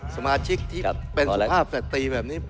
สมาชิกที่เป็นสุภาพสตรีแบบนี้